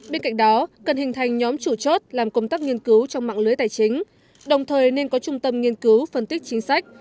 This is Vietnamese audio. bên cạnh đó cần hình thành nhóm chủ chốt làm công tác nghiên cứu trong mạng lưới tài chính đồng thời nên có trung tâm nghiên cứu phân tích chính sách